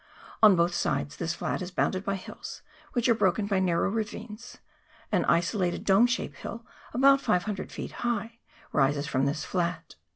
On both sides this flat is bounded by hills, which are broken by narrow ravines; an isolated dome shaped hill, about 500 feet high, rises from this flat.